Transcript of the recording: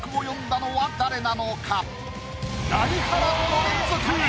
大波乱の連続！